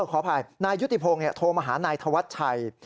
ขออภัยนายยุติพงศ์โทรมาหานายธวัชชัย